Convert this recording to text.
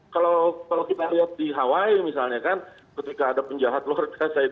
kalau kita lihat di hawaii misalnya kan ketika ada penjahat luker